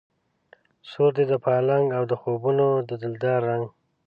سور دی د پالنګ او د خوبونو د دلدار رنګ